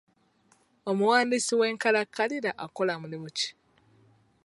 Omuwandiisi w'enkalakkalira akola mulimu ki?